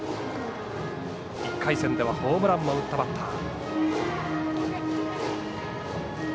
１回戦ではホームランも打ったバッター。